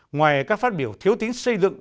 ngoài các phát biểu thiếu tính xây dựng